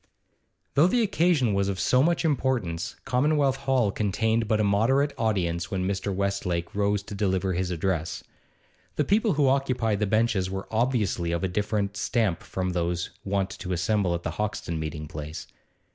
Though the occasion was of so much importance, Commonwealth Hall contained but a moderate audience when Mr. Westlake rose to deliver his address. The people who occupied the benches were obviously of a different stamp from those wont to assemble at the Hoxton meeting place.